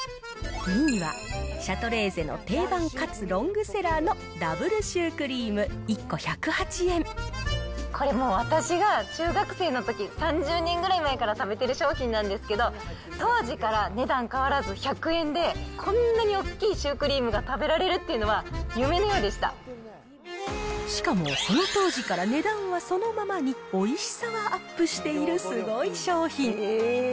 ２位は、シャトレーゼの定番かつロングセラーのダブルシュークリーム、１これもう、私が中学生のとき、３０年ぐらい前から食べてる商品なんですけど、当時から値段変わらず１００円で、こんなに大きいシュークリームが食べられるっていうのは夢のようしかもその当時から値段はそのままに、おいしさはアップしているすごい商品。